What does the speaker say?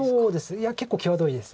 いや結構際どいです